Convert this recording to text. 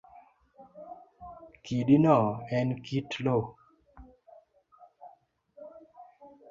Kidino en kit loo